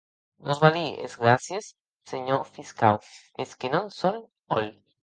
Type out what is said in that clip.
Vos balhi es gràcies, senhor fiscau, mès que non sò hòl.